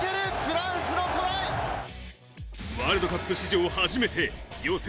ワールドカップ史上初めて予選